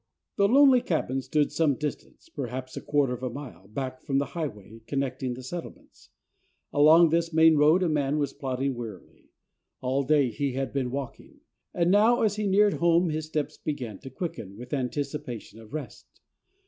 The lonely cabin stood some distance, perhaps a quarter of a mile, back from the highway connecting the settlements. Along this main road a man was plodding wearily. All day he had been walking, and now as he neared home his steps began to quicken with anticipation of rest.